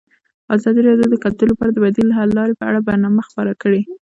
ازادي راډیو د کلتور لپاره د بدیل حل لارې په اړه برنامه خپاره کړې.